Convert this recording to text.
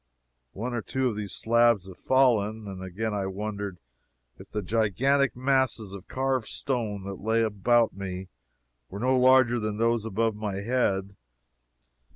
One or two of these slabs had fallen, and again I wondered if the gigantic masses of carved stone that lay about me were no larger than those above my head.